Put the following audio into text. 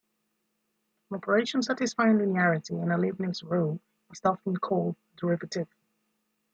An operation satisfying linearity and a Leibniz rule is often called a derivative.